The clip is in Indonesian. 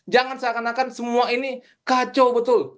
jangan seakan akan semua ini kacau betul